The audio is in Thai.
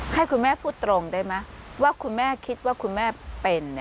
ให้คุณแม่พูดตรงได้ไหมว่าคุณแม่คิดว่าคุณแม่เป็น